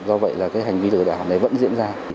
do vậy hành vi lừa đảo này vẫn diễn ra